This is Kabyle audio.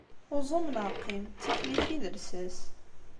Uẓum neɣ qqim, d tikli-k i d lsas.